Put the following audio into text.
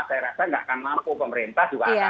saya rasa tidak akan mampu pemerintah juga